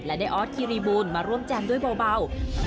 และได้ออสคิริบูลมาร่วมแจมด้วยเบา